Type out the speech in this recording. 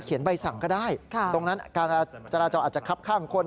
ใบสั่งก็ได้ตรงนั้นการจราจรอาจจะคับข้างคน